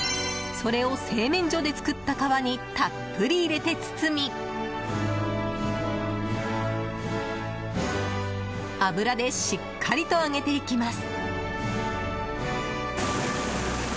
それを製麺所で作った皮にたっぷり入れて包み油でしっかりと揚げていきます。